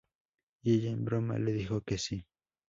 Y ella, en broma, le dijo que sí.